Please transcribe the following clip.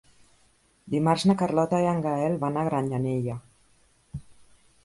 Dimarts na Carlota i en Gaël van a Granyanella.